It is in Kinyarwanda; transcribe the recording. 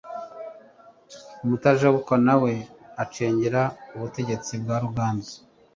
Mutajabukwa nawe acengera ubutegetsi bwa Ruganzu